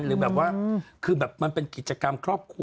หรือแบบว่าคือแบบมันเป็นกิจกรรมครอบครัว